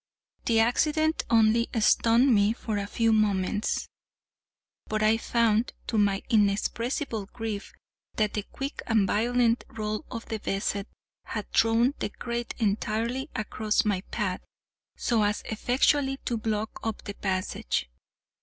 The accident only stunned me for a few moments; but I found, to my inexpressible grief, that the quick and violent roll of the vessel had thrown the crate entirely across my path, so as effectually to block up the passage.